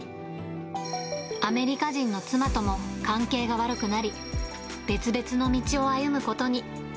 アメリカ人の妻とも関係が悪くなり、別々の道を歩むことに。